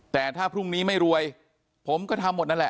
แต่ถ้าพรุ่งนี้ไม่รวยผมก็ทำหมดนั่นแหละ